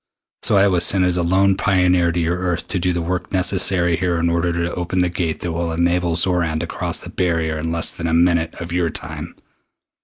So I was sent as a lone pioneer to your Earth to do the work necessary here in order to open the Gate that will enable Xoran to cross the barrier in less than a minute of your time.